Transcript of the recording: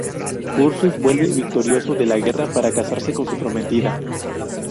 Ursus vuelve victorioso de la guerra para casarse con su prometida.